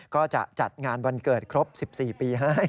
ก็จะจัดงานวันเกิดครบ๑๔ปีให้